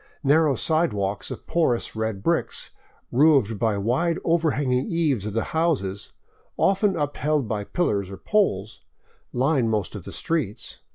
Narrow sidewalks of porous red bricks, roofed by the wide overhanging eaves of the houses, often upheld by pillars or poles, line most of the streets.